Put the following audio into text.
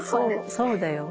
そうだよ。